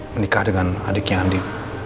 menikah dengan adiknya andi